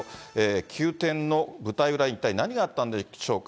急転の舞台裏、一体何があったんでしょうか。